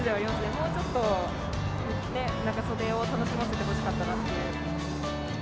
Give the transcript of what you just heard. もうちょっと、長袖を楽しませてほしかったなっていう。